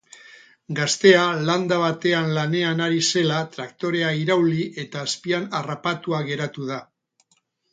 Gaztea landa batean lanean ari zela traktorea irauli eta azpian harrapatua geratu da.